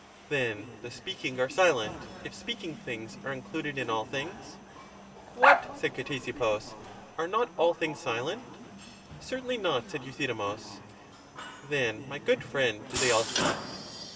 Then the speaking are silent, if speaking things are included in all things. What, said Ctesippus, are not all things silent? Certainly not, said Euthydemus. Then, my good friend, do they all speak?